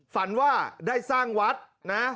ฝันว่าได้สร้างวัดนะ